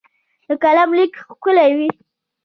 د قلم لیک ښکلی وي.